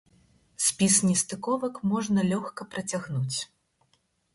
Спіс нестыковак можна лёгка працягнуць.